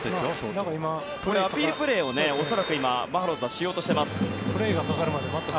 アピールプレーをバファローズはしようとしています。